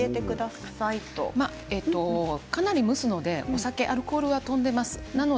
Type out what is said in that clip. かなり蒸すのでお酒、アルコールは飛んでいます。